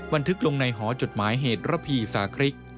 บันทึกลงในหอจดหมายเหตุระพีสาคริก